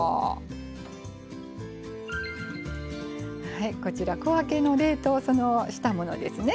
はいこちら小分けの冷凍したものですね。